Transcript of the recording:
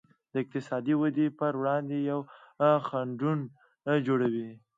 د اقتصادي ودې پر وړاندې یې خنډونه جوړوي.